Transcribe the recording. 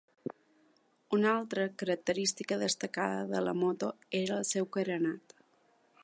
Una altra característica destacada de la moto era el seu carenat.